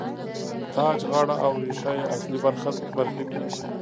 تاج، غاړه او ریښه یې اصلي برخې دي.